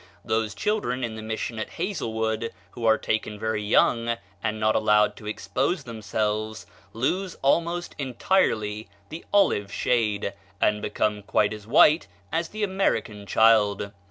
Those children in the Mission at Hazlewood, who are taken very young, and not allowed to expose themselves, lose almost entirely the olive shade, and become quite as white as the American child.